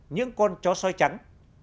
những con chó xoay trắng